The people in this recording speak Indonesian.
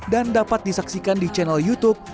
dan dapat disaksikan di channel youtube